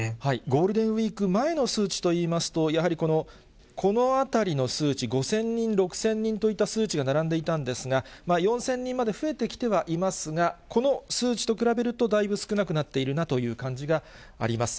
ゴールデンウィーク前の数値といいますと、やはりこの、このあたりの数値、５０００人、６０００人といった数値が並んでいたんですが、４０００人まで増えてきてはいますが、この数値と比べると、だいぶ少なくなっているなという感じがあります。